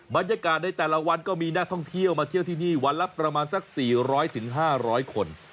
บรรยากาศในแต่ละวันก็มีนักท่องเที่ยวมาเที่ยวที่นี่วันละประมาณสัก๔๐๐๕๐๐คน